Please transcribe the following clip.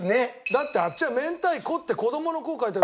だってあっちは明太子って子供の「子」書いてある。